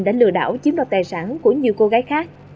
đã lừa đảo chiếm đoạt tài sản của nhiều cô gái khác